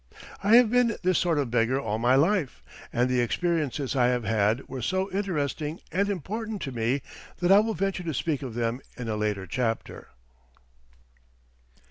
I have been this sort of beggar all my life and the experiences I have had were so interesting and important to me that I will venture to speak of them in a later chapter.